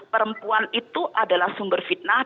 perempuan itu adalah sumber fitnah